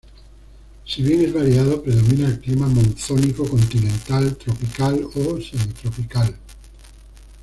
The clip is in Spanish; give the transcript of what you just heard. Si bien es variado, predomina el clima monzónico continental, tropical o semitropical.